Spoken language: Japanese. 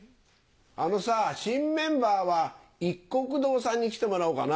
あのさ新メンバーはいっこく堂さんに来てもらおうかな。